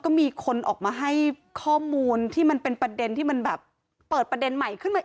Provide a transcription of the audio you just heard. ก็มีคนออกมาให้ข้อมูลที่มันเป็นประเด็นที่มันแบบเปิดประเด็นใหม่ขึ้นมา